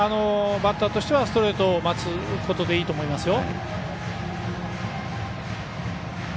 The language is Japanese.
バッターとしてはストレートを待つことでいいと思いますよ。